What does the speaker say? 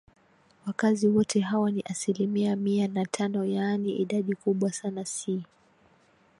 wakazi wote hao ni asilimia Mimi na tano yaani idadi kubwa sana si